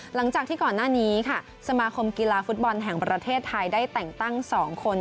หลังจากที่ก่อนหน้านี้ค่ะสมาคมกีฬาฟุตบอลแห่งประเทศไทยได้แต่งตั้ง๒คน